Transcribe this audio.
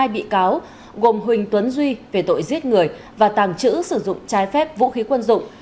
hai bị cáo gồm huỳnh tuấn duy về tội giết người và tàng trữ sử dụng trái phép vũ khí quân dụng